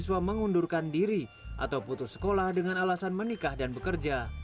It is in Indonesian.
agar memperbolehkan kami untuk melakukan tatap muka di luar